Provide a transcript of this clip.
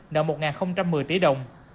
nợ một một mươi tỷ đồng